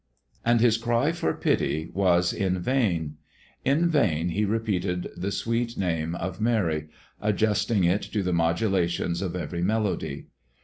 And his cry for pity was in vain. In vain he repeated the sweet name of Mary, adjusting it to the modulations of every melody.